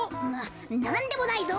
なんでもないぞ。